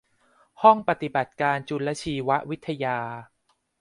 ห้องปฏิบัติการจุลชีววิทยา